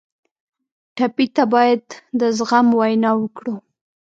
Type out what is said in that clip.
ټپي ته باید د زغم وینا وکړو.